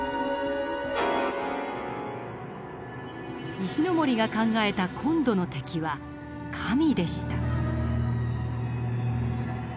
石森が考えた今度の敵は「神」でした。